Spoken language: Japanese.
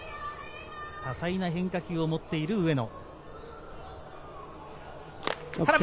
多彩な変化球を持っている上野。